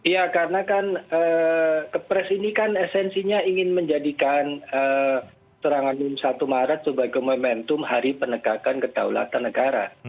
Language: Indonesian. ya karena kan kepres ini kan esensinya ingin menjadikan serangan satu maret sebagai momentum hari penegakan kedaulatan negara